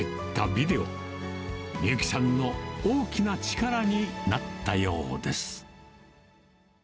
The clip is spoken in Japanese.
海幸さんの大きな力になったようです。